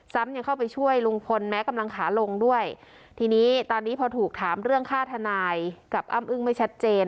ยังเข้าไปช่วยลุงพลแม้กำลังขาลงด้วยทีนี้ตอนนี้พอถูกถามเรื่องฆ่าทนายกับอ้ำอึ้งไม่ชัดเจน